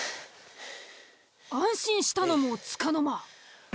安心したのもつかの間。